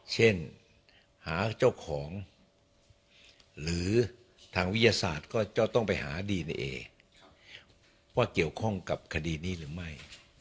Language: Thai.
เช่นหาเจ้าของหรือทางวิทยาศาสตร์ก็จะต้องไปหาดีเนเอว่าเกี่ยวข้องกับคดีนี้หรือไม่